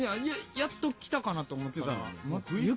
やっと来たなと思った。